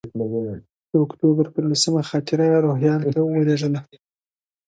د اکتوبر پر لسمه خاطره روهیال ته ولېږله.